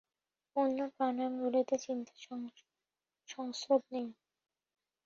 অন্য প্রাণায়ামগুলিতে চিন্তার সংস্রব নাই।